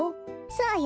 そうよ。